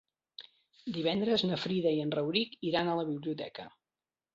Divendres na Frida i en Rauric iran a la biblioteca.